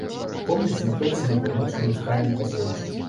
Помнік знаходзіцца на паўночнай ускраіне паселішча.